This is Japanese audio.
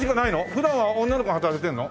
普段は女の子が働いてるの？